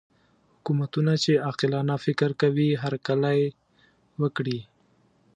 حکومتونه چې عاقلانه فکر کوي هرکلی وکړي.